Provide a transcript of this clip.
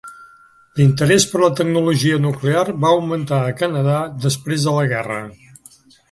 L"interès per la tecnologia nuclear va augmentar a Canadà després de la guerra.